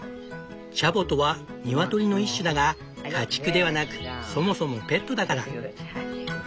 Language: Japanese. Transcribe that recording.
チャボとはニワトリの一種だが家畜ではなくそもそもペットだから。